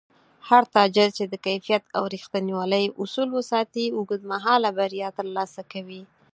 هر تاجر چې د کیفیت او رښتینولۍ اصول وساتي، اوږدمهاله بریا ترلاسه کوي